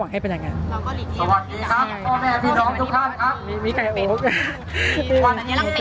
อย่างที่บอกไปว่าเรายังยึดในเรื่องของข้อ